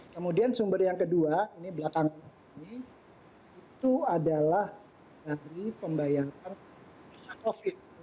kemudian sumber yang kedua ini belakang ini itu adalah dari pembayaran covid sembilan belas